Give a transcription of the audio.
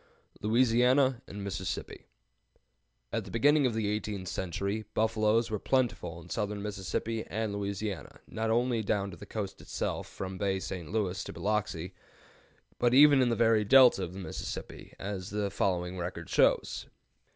LOUISIANA AND MISSISSIPPI. At the beginning of the eighteenth century, buffaloes were plentiful in southern Mississippi and Louisiana, not only down to the coast itself, from Bay St. Louis to Biloxi, but even in the very Delta of the Mississippi, as the following record shows.